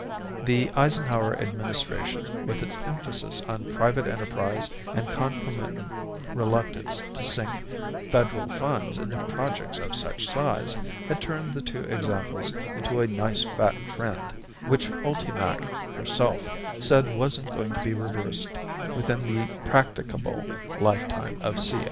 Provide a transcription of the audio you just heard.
The Eisenhower administration, with its emphasis on private enterprise and concomitant reluctance to sink federal funds into projects of such size, had turned the two examples into a nice fat trend, which ULTIMAC herself said wasn't going to be reversed within the practicable lifetime of CIA.